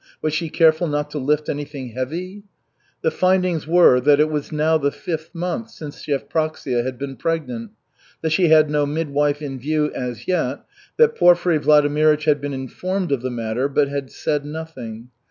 Was she careful not to lift anything heavy? The findings were that it was now the fifth month since Yevpraksia had been pregnant; that she had no midwife in view as yet; that Porfiry Vladimirych had been informed of the matter, but had said nothing.